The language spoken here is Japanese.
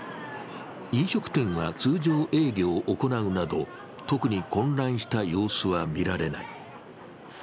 飲食店は通常営業を行うなど特に混乱した様子はみられない。